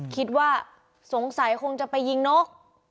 คิดว่าสงสัยคงจะไปยิงนก